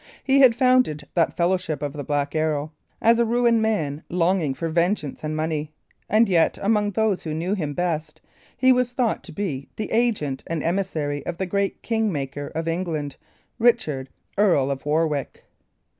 He had founded that fellowship of the Black Arrow, as a ruined man longing for vengeance and money; and yet among those who knew him best, he was thought to be the agent and emissary of the great King maker of England, Richard, Earl of Warwick.